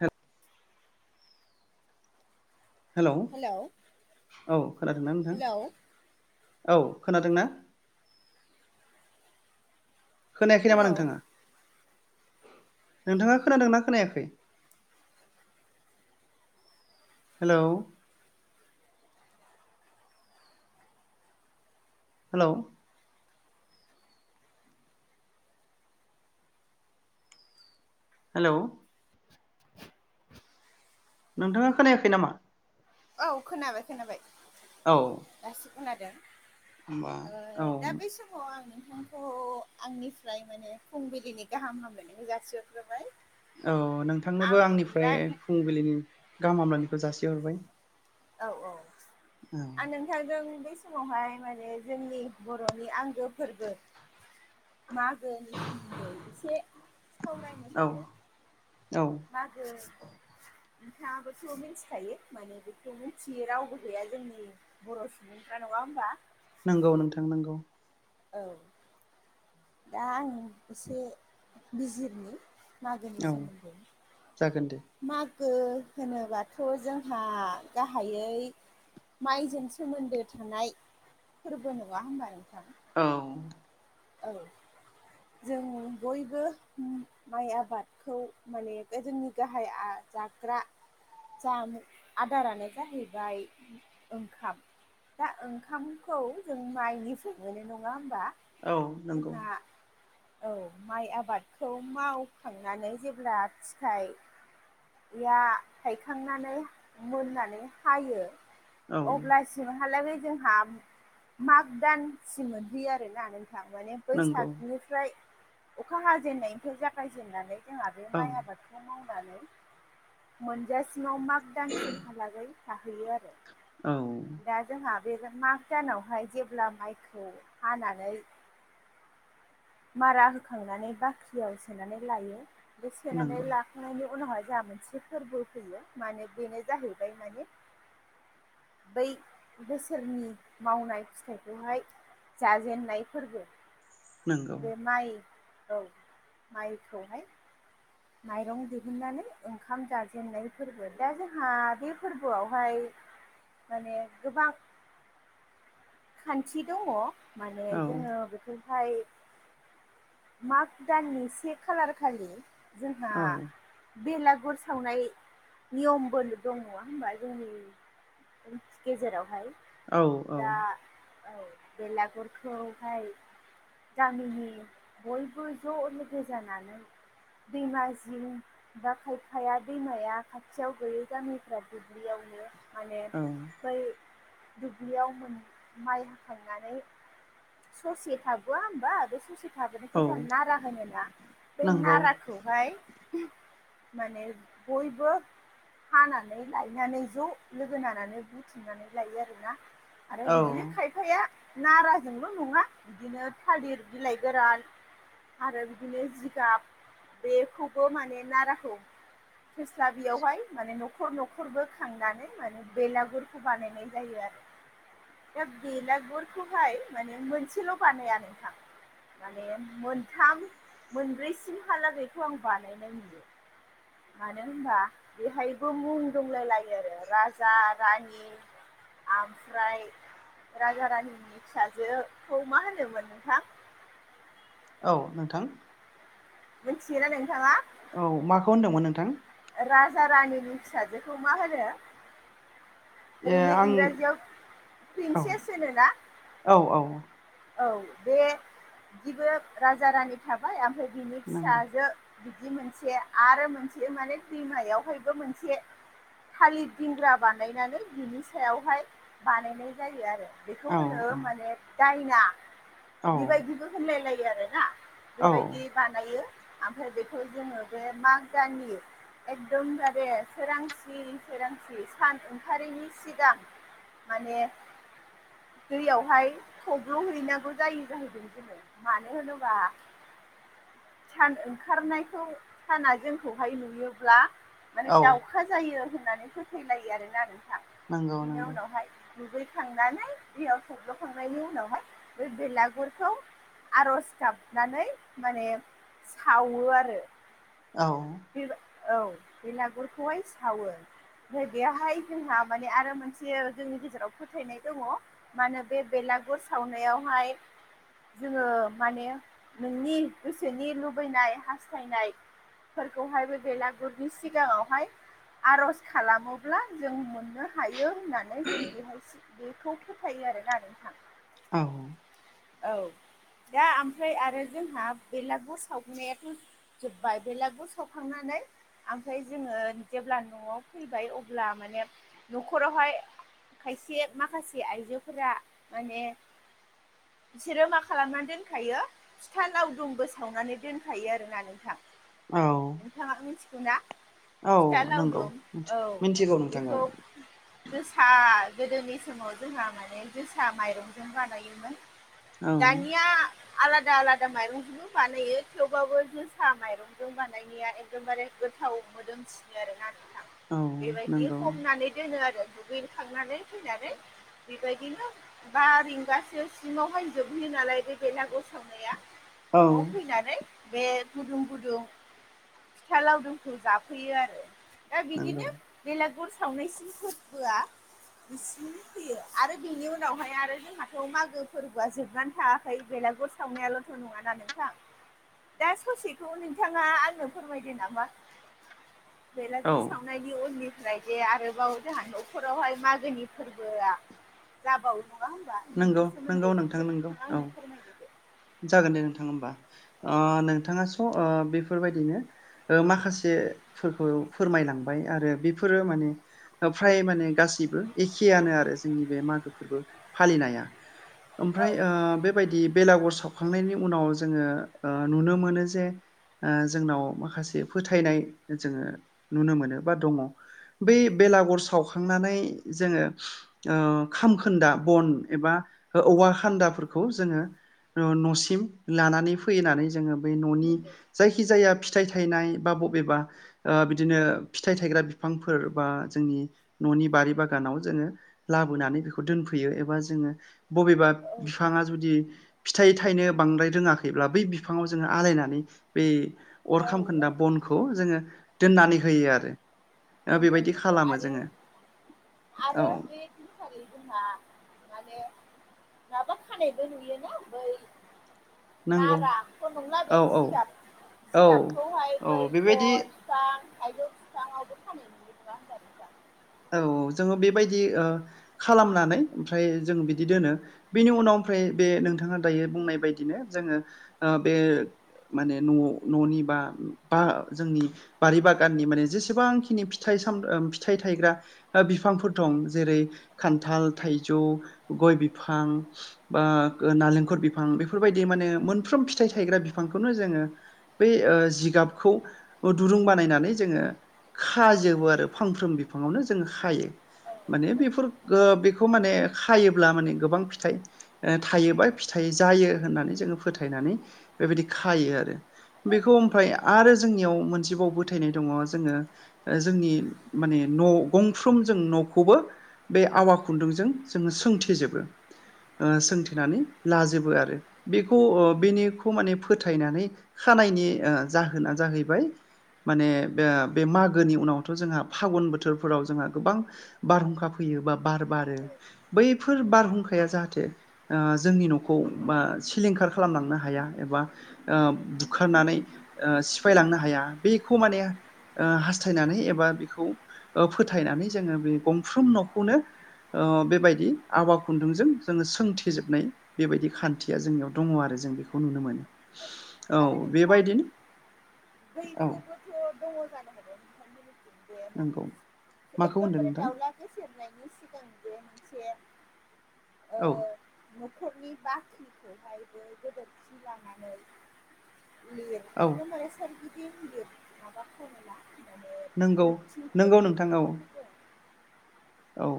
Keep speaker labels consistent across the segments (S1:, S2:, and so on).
S1: ह। हेलौ औ खोनादोंना नोंथां
S2: हेलौ
S1: औ खोनादोंना? खोनायाखै नामा
S2: हेलौ
S1: नोंथाङा नोंथाङा खोनादोंना खोनायाखै? हेलौ। हेलौ। हेलौ।
S2: [inaudible]
S1: नोंथाङा खोनायाखै नामा।
S2: औ खोनाबाय खोनाबाय।
S1: औ।
S2: दासि खोनादों।
S1: होमबा
S2: ओ
S1: औ
S2: दा बै समाव आं नोंथांखौ अ आंनिफ्राय माने फुंबिलिनि गाहाम हामलायनायखौ जासि हरग्रोबाय।
S1: औ नोंथांनोबो आंनिफ्राय फुंबिलिनि गाहाम हामलानायखौ जासिहरबाय।
S2: औ औ
S1: औ
S2: आ नों। नोंथांजों बै समावहाय माने जोंनि बर'नि आंगो फोरबो। मागोनि सोमोन्दै एसे सावरायनो
S1: औ
S2: सानदों।
S1: औ।
S2: मागो। नोंथाङाबोथ' मिथिखायो माने बेखौ मिथियै रावबो गैया जोंनि बर' सुबुं। नोंसा नङा होनोमबा
S1: नंगौ नोंथां नंगौ।
S2: ओं दा आं एसे बिजिरनि मागोनि
S1: औ
S2: सोमोन्दै।
S1: जागोन दे।
S2: मागो होनोबाथ' जोंहा गाहायै माइजों सोमोन्दो थानाय फोरबो नङा होमबा नोंथां
S1: औ
S2: औ जों बयबो माइ आबादखौ माने गो जोंनि गाहाय आ जाग्रा जामुं आदारानो जाहैबाय ओंखाम दा ओंखामखौ जों माइनिफ्राय मोनो नङा होमबा
S1: औ नंगौ
S2: जोंहा औ माइ आबादखौ मावखांनानै जेब्ला फिथाइ थायखांनानै मोननानै हायो
S1: औ
S2: अब्लासिमहालागै बे जोंहा माग दानसिम मोनहैयो आरोना थ माने
S1: नंगौ
S2: बैसागनिफ्राय अखा हाजेननायनिफ्राय जागायजेननानै जोंहा बे
S1: औ
S2: माइ आबादखौ मावनानै मोनजासिमाव माग दानसिमहालागै थाहैयो आरो
S1: औ
S2: जोंहा बे माघ दानावहाय जेब्ला माइखौ हानानै मारा होखांनानै बाख्रियाव सोनानै लायो बे सोनानै
S1: नंगौ
S2: ल [unintelligible] उनावहाय जोंहा मोनसे फोरबो फैयो माने बेनो जाहैबाय माने बै बोसोरनि मावनाय फिथाइखौहाय जाजेेननाय फोरबो।
S1: नंगौ
S2: बे माइ औ माइखौहाय माइरं दिहुननानै ओंखाम जाजेननाय फोरबो दा जोंहा बे फोरबोआवहाय माने गोबां खान्थि दङ। माने
S1: औ
S2: जोङो बेखौ हाय माग दाननि से खालार खालि जोंहा
S1: औ
S2: बेलागुर सावनाय नियमबो दङ नङा होनोमबा जोंनि गेजेरावहाय
S1: औ औ
S2: दा औ बेलागुरखौ ओमफ्राय गामिनि बयबो ज' लोगो जानानै दैमा जिं दा खायफाया दैमाया खाथियाव गैयै गामिफ्रा दुब्लियावनो माने
S1: औ
S2: बै दुब्लियाव मोन माइ हाखांनानै ससे थाबोया होनोमबा बे ससे
S1: औ
S2: थाबोनायखौ जों नारा होनोना बै
S1: नंगौ
S2: नाराखौहाय माने बयबो हानानै लायनानै ज' लोगो नांनानै बुथुमनानै लायो आरोना। आरो
S1: औ
S2: बिदिनो खायफाया नाराजोंल' नङा बिदिनो थालिर बिलाइ गोरान आरो बिदिनो जिगाब बेखौबो माने नाराखौ फोस्ला बेयावहाय माने न'खर न'खरबो खांनानै माने बेलागुरखौ बानायनाय जायो आरो दा बेलागुरखौहाय माने मोनसेल' बानाया नोंथां। माने मोनथाम मोनब्रैसिमहालागैखौ आं बानायनाय नुयो। मानो होनबा बेहायबो मुं दंलाय लायो आरो राजा रानि आमफ्राय राजा रानिनि फिसाजोखौ मा होनोमोन नोंथां?
S1: औ नोंथां।
S2: मिनथियोना नोंथाङा?
S1: औ माखौ होनदोंमोन नोंथां?
S2: राजा रानिनि फिसाजोखौ मा होनो?
S1: ए
S2: ओरैनो
S1: आं
S2: इंराजियाव
S1: औ
S2: प्रिन्सेस होनो ना।
S1: औ औ
S2: औ बे दिबो राजा रानि थाबाय ओमफ्राय बिनि
S1: नंगौ
S2: फिसाजो बिदि मोनसे आरो मोनसे माने दैमायावहायबो मोनसे थालिर दिंग्रा बानायनानै बिनि सायावहाय बानायनाय जायो आरो। बेखौ
S1: औ
S2: होनो
S1: औ
S2: माने दायना
S1: औ
S2: बेबायदिबो होनलायलायो आरोना।
S1: औ
S2: बेबायदि बानायो ओमफ्राय बेखौ जोङो बे माग दाननि एखदम जारे सोरांसि सोरांसि सान ओंखारारिनि सिगां माने दैयावहाय थब्ल'हैनांगौ जायो जाहैदों बि मानो होनोबा सान ओंखारनायखौ साना जोंखौहाय नुयो ब्ला माने
S1: औ
S2: दावउखा जायो होननानै फोथायलायो आरोना नोंथां।
S1: नंगौ
S2: बिदिनो
S1: नंगौ
S2: उनावहाय दुगैखांनानै दैयाव थब्ल'खांनायनि उनावहाय बे बेलागुरखौ आर'ज गाबनानै माने सावो आरो।
S1: औ।
S2: बे औ बेलागुरखौहाय सावो। ओमफ्राय बेहाय जोंहा माने आरो मोनसे जोंनि गेजेराव फोथायनाय दङ। मा होनो बे बेलागुर सावनायावहाय जोङो माने नोंनि गोसोनि लुबैनाय हास्थायनाय फोरखौहाय बे बेलागुरनि सिगाङावहाय आर'ज खालामोब्ला जों मोन नो हायो होननानै जों बेहाय बेखौ फोथायो आरोना नोंथां।
S1: औ
S2: औ दा आमफ्राय आरो जोंहा बेलागुर सावनायाथ' जोब्बाय बेलागुर सावखांना नै आमफ्राय जोङो जेब्ला न'आव फैबाय अब्ला माने न'खरावहाय खायसे माखासे आइजोफोरा माने बिसोरो मा खालामनानै दोनखायो फिथा लावदुमबो सावनानै दोनखायो आरोना नोंथां।
S1: औ
S2: नोंथाङा मिथिगौ ना
S1: औ
S2: फिथा
S1: नंगौ
S2: लावदुम औ
S1: मिथिगौ नोंथां औ
S2: बेखौ जोसा गोदोनि समाव जोंहा माने जोसा माइरंजों बानायोमोन।
S1: औ
S2: दानिया आलादा आलादा माइरंजोंबो बानायो थेवबाबो जोसा माइरंजों बानाय निया एकदमबारे गोथाव मोदोमसिनो आरोना नोंथां।
S1: औ
S2: बेबायदि
S1: नंगौ
S2: हमनानै दोनो आरो दुगैखांनानै फैनानै। बेबायदिनो बा रिंगासो सिमावहाय जोबहैयो नालाय बे बेलागुर सावनाया
S1: औ
S2: न'आव फैनानै बे गुदुं गुदुं फिथा लावदुमखौ जाफैयो आरो दा
S1: नंगौ
S2: बिदिनो बेलागुर सावनायसिम फोर्बोआ इसिम फैयो आरो बेनि उनावहाय आरो जोंहाथ' मागो फोर्बोआ जोबनानै थाङाखै बेलागुर सावनायाल'थ' नङा ना नोंथां दा ससेखौ नोंथाङा आंनो फोरमायदो नामा
S1: औ
S2: बेलागुर सावनाय नि उननिफ्राय जे आरोबाव जाहा न'खरावहाय मागोनि फोर्बोआ जाबावो नङा होमबा बेनि
S1: नंगौ नंगौ
S2: सोमोन्दै इसे
S1: नोंथां नंगौ
S2: नोंथाङा
S1: औ
S2: आंनो फोरमायदो दे।
S1: जागोन दे नोंथां होमबा ओ नोंथाङा स' ओ बेफोरबायदिनो ओ माखासेफोरखौ फोरमायलांबाय आरो बेफोरो माने ओ फ्राय माने गासैबो एखेयानो आरो जोंनि बे मागो फोर्बो फालिनाया
S2: औ
S1: ओमफ्राय ओ बे बायदि बेलागुर सावखांनायनि उनाव जोङो ओ नुनो मोनो जे ओ जोंनाव माखासे फोथायनाय जोङो नुनो मोनो बा दङ। बै बेलागुर सावखांनानै जोङो ओ खामखोन्दा बन एबा ओ औवा खान्दाफोरखौ जोङो न'सिम लानानै फैनानै जोङो बै न'नि
S2: नंगौ
S1: जायखिजाया फिथाइ थायनाय बा बबेबा ओ बिदिनो फिथाइ थायग्रा बिफांफोर बा जोंनि न'नि बारि बागानाव जोङो लाबोनानै बेखौ दोनफैयो एबा जोङो बबेबा
S2: औ
S1: फिफाङा जुदि फिथाइ थाइनो बांद्राय रोङाखैब्ला बै बिफाङाव जोङो आलायनानै बे अर खामखोन्दा
S2: औ औ
S1: बनखौ जोङो दोननानै होयो आरो। ओ
S2: नंगौ
S1: बेबायदि
S2: नंगौ
S1: खालामो
S2: आरो
S1: जोङो औ।
S2: आरो [unintelligible] जोंहा माने माबा खानायबो नुयोना बै
S1: नंगौ
S2: नाराथ' नंला
S1: औ
S2: बे
S1: औ
S2: जिगाब
S1: औ
S2: जिगाबखौहाय बै
S1: औ बेबायदि
S2: गय फां थाइजौ फिफांआवबो खानाय नुयो नङा होमबा नोंथां?
S1: औ औ जोङो बेबायदि ओ खालामनानै ओमफ्राय जों बिदि दोनो। बेनि उनाव ओमफ्राय बे नोंथाङा दायो बुंनाय बायदिनो जोङो ओ बे माने न' न'नि बा बा जोंनि बारि बागाननि माने जेसेबांखिनि फिथाइ साम ओ फिथाइ थायग्रा ओ बिफांफोर दं जेरै खान्थाल थाइजौ गय बिफां। बा नालेंखर बिफां बेफोरबायदि माने मोनफ्रोम फिथाइ थायग्रा बिफांखौनो जोंङो बै ओ जिगाबखौ दुरुं बानायनानै जोंङो खाजोबो आरो फांफ्रोम बिफांवनो जोंङो खायो। माने बेफोर ओ बेखौ माने खायोब्ला माने गोबां फिथाइ ओ थायोबा फिथाइ जायो होननानै जोंङो फोथायनानै बेबायदि खायो आरो बेखौ ओमफ्राय आरो जोंनियाव मोनसेबाव फोथायनाय दङ जोंङो ओ जोंनि माने न' गंफ्रोम जों न'खौबो बे आवा खुन्दुंजों जोंङो सोंथेजोबो। ओ सोंथेनानै लाजोबो आरो बेखौ बेनिखौ माने फोथायनानै खानायनि जाहोना जाहैबाय माने बे बे मागोनि उनावथ' जोंहा फागुन बोथोर फोराव जोंहा गोबां बारहुंखा फैयो बा बार बारो बैफोर बारहुंखाया जाहाथे ओ जोंनि न'खौ बा सिलिंखार खालामलांनो हाया एबा ओ बुखारनानै सिफायलांनो हाया बेखौ माने ओ हास्थायनानै एबा बेखौ ओक्षफोथायनानै जोंङो बे गंफ्रोम न'खौनो ओ बेबायदि आबा खुन्दुंजों जोंङो सोंथिजोबनाय बेबायदि खान्थिया जोंनियाव दङ आरो जों बेखौ नुनो मोनो।
S2: [inaudible]
S1: औ
S2: नोंथां
S1: बेबायदिनो औ
S2: अ दङ जानोहागो
S1: नंगौ
S2: [unintelligible]
S1: माखौ होनदों
S2: एदमबारे
S1: नोंथां
S2: दाउला गसेेरनायनि सिगां बे मोनसे ओ
S1: औ
S2: न'खरनि बाख्रिखौहायबो गोदोरखि लानानै लिर
S1: औ
S2: दमबारे सोर गिदिं माबाखामोना
S1: नंगौ नंगौ नोंथां औ
S2: [unintelligible]
S1: औ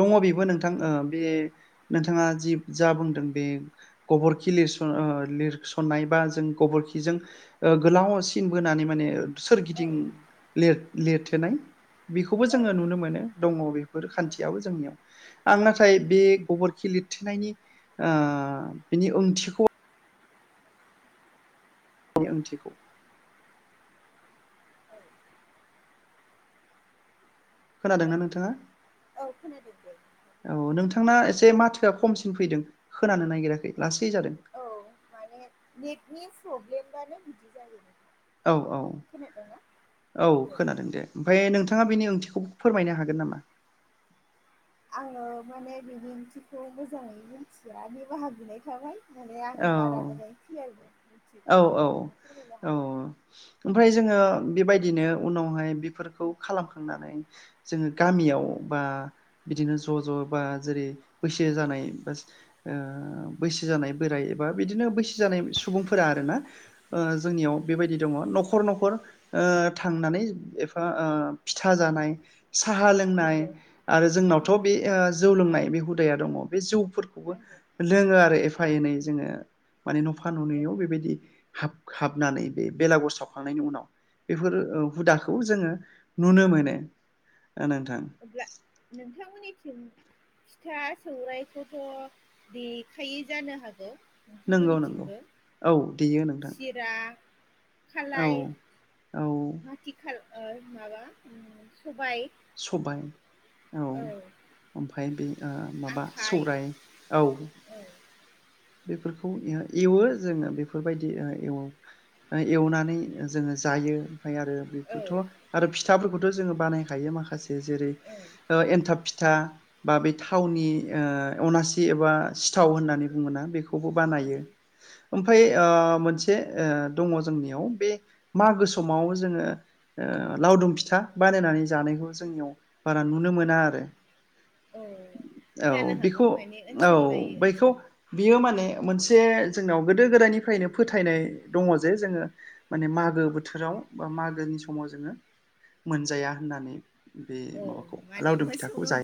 S1: दङ बेबो नोंथां ओ बे नोंथाङा जि जा बुंदों बे गबरखि लिरस ओ लिरसननाय बा जों गबरखिजों ओ गोलाव सिन बोनानै माने ओ
S2: औ
S1: सोरगिदिं लिर लिरथेनाय बेखौबो
S2: औ
S1: जोंङो नुनो मोनो। दङ बेफोर खान्थियाबो जोंनियाव। आं नाथाय बे गोबोरखि लिरथेनायनि ओ बिनि ओंथिखौ
S2: औ
S1: [unintelligible]
S2: औ हेलौ
S1: खोनादोंना नोंथाङा?
S2: औ खोनादों।
S1: औ
S2: नोंथां बुंनायसै
S1: नोंथांना एसे माथोआ खमसिन फैदों खोनानो नागिराखै लासै जादों।
S2: औ माने नेटनि प्रब्लेमबानो बिदि जायो।
S1: औ औ
S2: खोनादोंना
S1: औ
S2: दे
S1: खोनादों दे। ओमफ्राय नोंथाङा बेनि ओंथिखौ फोरमायनो हागोन नामा?
S2: आंङो माने बिनि ओंथिखौ मोजाङै मिथिया बे बाहागिनाय थाबाय। माने आं
S1: औ
S2: बारा मोजाय खिय
S1: औ औ औ ओमफ्राय जोंङो बेबायदिनो उनावहाय बेफोरखौ खालामखांनानै जोंङो गामियाव बा बिदिनो ज' ज' बा जेरै बैसो जानाय ओ बैसो जानाय बोराइ एबा बिदिनो बैसो जानाय सुबुंफोरा आरोना ओ जोंनियाव बेबायदि दङ न'खर न'खर ओ थांनानै एफा फिथा जानाय साहा लोंनाय
S2: नंगौ
S1: आरो जोंनावथ'
S2: नंगौ
S1: बे ओ जौ लोंनाय बे हुदाया दङ बे जौ फोरखौबो
S2: नंगौ
S1: लोङो आरो एफा एनै जोङो माने न'फा न'नैआव
S2: नंगौ
S1: बेबायदि हाब हाबनानै बे बेलागुर सावखांनायनि उनाव बेफोर औ हुदाखौ जोङो नुनो मोनो ओ नोंथां
S2: अब्ला नोंथांमोननिथिं फिथा सौरायखौथ' देखायै जानो हागौ
S1: नंगौ नंगौ
S2: नोंथांमोननिथिंबो
S1: औ देयो नोंथां।
S2: रा
S1: औ
S2: खालाय
S1: औ
S2: हाटि खाल ओ माबा उम सबाय
S1: सबाय औ ओमफाय बे ओ माबा
S2: आखाइ
S1: सौराय औ
S2: औ
S1: बेफोरखौ एव एवो जोङो बेफोरबायदि ओ एवो। ओ एवनानै ओ जोङो जायो ओमफाय आरो
S2: औ
S1: बेखोथ' आरो फिथाफोरखौथ' जोङो बानायखायो माखासे जेरै
S2: औ
S1: ओ एनथाब फिथ था बा बे थावनि ओ अनासि एबा सिथाव होननानै बुङोना खौबो
S2: औ
S1: बानायो। ओमफाय ओ मोनसे ओ दङ जोंनियाव बे मागो समाव जोङो ओ लावदुम फिथा बानायनानै जानायखौ जोंनियाव बारा नुनो मोना आरो
S2: औ
S1: औ
S2: जानो हागौ
S1: बेखौ
S2: माने
S1: औ
S2: ओनसोल लायै
S1: बेैखौ
S2: ओनसोल
S1: बियो माने मोनसे जोंनाव गोदो गोदायनिफ्रायनो फोथायनाय दङ जे जोङो माने मागो बोथोराव बा मागोनि समाव जोङो मोनजाया होननानै बे
S2: औ
S1: माबाखौ
S2: माने
S1: लावदुम फिथाखौ
S2: मोसौनाव
S1: जाय